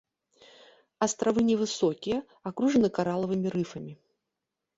Астравы невысокія, акружаны каралавымі рыфамі.